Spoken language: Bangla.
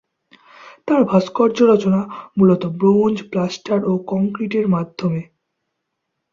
তার ভাস্কর্য রচনা মূলতঃ ব্রোঞ্জ, প্লাস্টার ও কংক্রিটের মাধ্যমে।